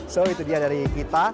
so itu dia dari kita